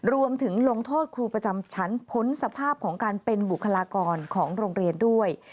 ลงโทษครูประจำชั้นพ้นสภาพของการเป็นบุคลากรของโรงเรียนด้วย